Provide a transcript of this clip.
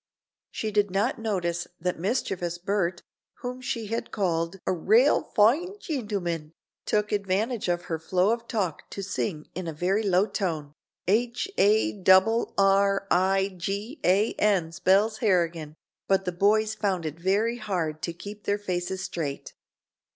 She did not notice that mischievous Bert, whom she had called a "rale foine gintleman," took advantage of her flow of talk to sing in a very low tone, "'H a double r i g a n spells Harrigan'," but the boys found it very hard to keep their faces straight.